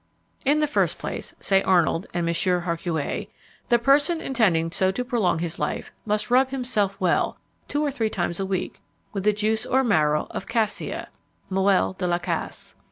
In the first place, say Arnold and Monsieur Harcouet, "the person intending so to prolong his life must rub himself well, two or three times a week, with the juice or marrow of cassia (moëlle de la casse).